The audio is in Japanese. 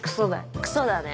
クソだね。